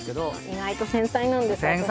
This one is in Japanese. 意外と繊細なんです私。